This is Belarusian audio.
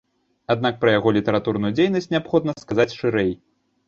Аднак пра яго літаратурную дзейнасць неабходна сказаць шырэй.